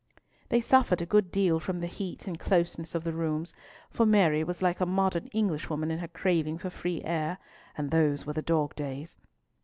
They suffered a good deal from the heat and closeness of the rooms, for Mary was like a modern Englishwoman in her craving for free air, and these were the dog days.